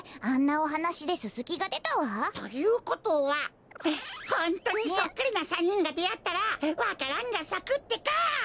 あんなおはなしでススキがでたわ。ということはホントにそっくりな３にんがであったらわか蘭がさくってか！